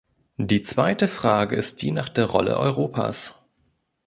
Die zweite Frage ist die nach der Rolle Europas.